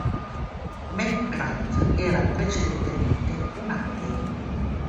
McGrath era precedentemente un ateo.